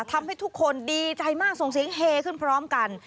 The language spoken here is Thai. ทำให้ทุกคนดีใจมากส่งเสียงเฮขึ้นพร้อมกัน